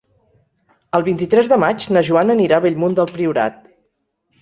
El vint-i-tres de maig na Joana anirà a Bellmunt del Priorat.